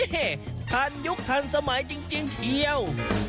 ทันยุคทันสมัยจริงเทียว